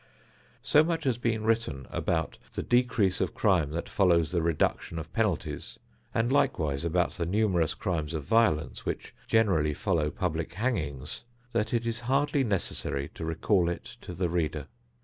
So much has been written about the decrease of crime that follows the reduction of penalties, and likewise about the numerous crimes of violence which generally follow public hangings, that it is hardly necessary to recall it to the reader.